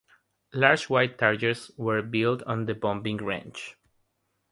Large white targets were built on the bombing range.